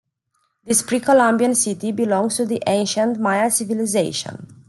This pre-Columbian city belongs to the ancient Maya civilization.